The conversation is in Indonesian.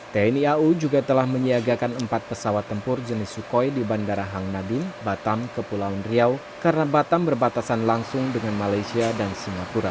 tni au juga telah menyiagakan empat pesawat tempur jenis sukhoi di bandara hang nadine batam kepulauan riau karena batam berbatasan langsung dengan malaysia dan singapura